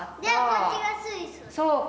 こっちがスイス。